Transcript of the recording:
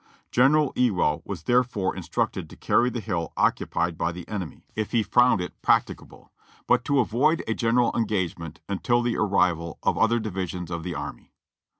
General Ewell was therefore in structed to carry the hill occupied by the enemy, if he found it 398 JOHNNY REB AND BILLY YANK practicable, but to avoid a general engagement until the arrival of the other divisions of the army."